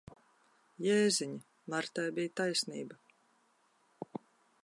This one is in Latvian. Jēziņ! Martai bija taisnība.